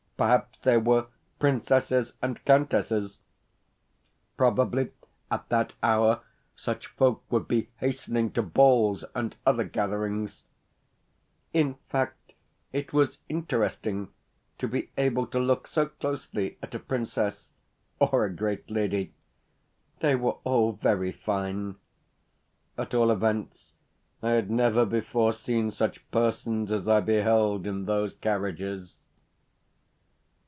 Perhaps they were princesses and countesses! Probably at that hour such folk would be hastening to balls and other gatherings. In fact, it was interesting to be able to look so closely at a princess or a great lady. They were all very fine. At all events, I had never before seen such persons as I beheld in those carriages....